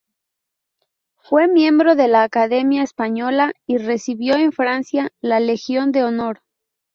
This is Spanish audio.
Fue miembro de la Academia Española y recibió en Francia la Legión de Honor.